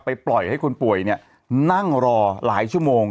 ไปปล่อยให้คนป่วยนั่งรอหลายชั่วโมง